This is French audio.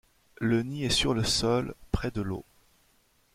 Le nid est sur le sol près de l'eau.